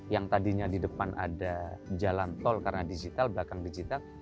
yang tadinya di depan ada jalan tol karena digital